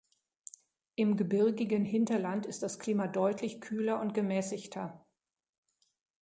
Im gebirgigen Hinterland ist das Klima deutlich kühler und gemäßigter.